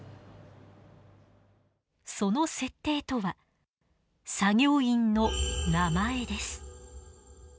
その設定とは作業員の名前です。